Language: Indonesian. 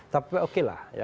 tapi oke lah